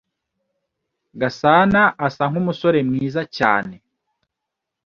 Gasana asa nkumusore mwiza cyane.